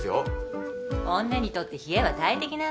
女にとって冷えは大敵なんだよ。